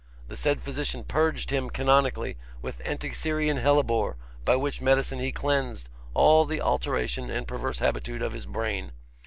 The said physician purged him canonically with Anticyrian hellebore, by which medicine he cleansed all the alteration and perverse habitude of his brain.